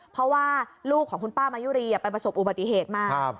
เพราะว่าลูกของคุณป้ามายุรีไปประสบอุบัติเหตุมา